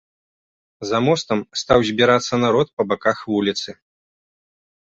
За мостам стаў збірацца народ па баках вуліцы.